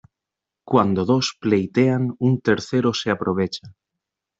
Cuando dos pleitean un tercero se aprovecha.